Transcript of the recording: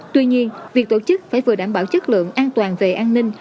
tuy nhiên việc tổ chức phải vừa đảm bảo chất lượng an toàn về an ninh